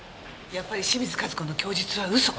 やっぱり清水和子の供述は嘘。